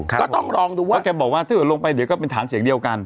ก็ต้องลองดูว่าแกบอกว่าถ้าเกิดลงไปเดี๋ยวก็เป็นฐานเสียงเดียวกัน